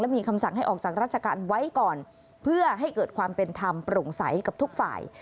มีคำสั่งให้ออกจากราชการไว้ก่อนเพื่อให้เกิดความเป็นธรรมโปร่งใสกับทุกฝ่าย